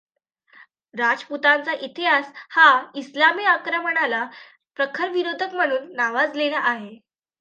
राजपुतांचा इतिहास हा इस्लामी आक्रमणाला प्रखर विरोधक म्हणून नावाजलेला आहे.